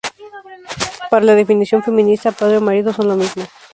Para la definición feminista, padre o marido son lo mismo.